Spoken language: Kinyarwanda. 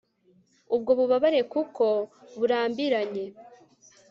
ubwo bubabare kuko burambiranye